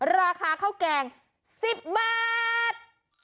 ราคาข้าวแกง๑๐บาท